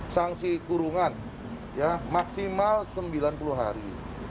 sanksi kurungan maksimal sembilan puluh hari